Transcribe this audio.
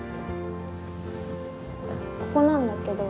ここなんだけど。